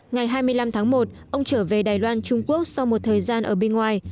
ngày hai mươi năm tháng một ông trở về đài loan trung quốc sau một thời gian ở bên ngoài